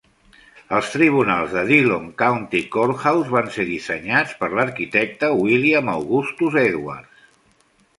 Els tribunals de Dillon County Courthouse van ser dissenyats per l"arquitecte William Augustus Edwards.